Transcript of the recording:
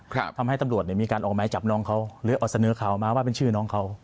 ทำให้ตำรวจเนี่ยมีการออกไม้จับน้องเขาหรือออกเสนอข่าวมาว่าเป็นชื่อน้องเขา